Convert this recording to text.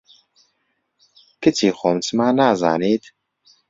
کچی خۆم، چما نازانیت